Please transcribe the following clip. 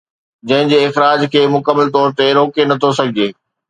جنهن جي اخراج کي مڪمل طور تي روڪي نٿو سگهجي